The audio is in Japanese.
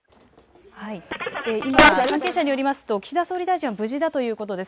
今、関係者によりますと岸田総理大臣は無事だということです。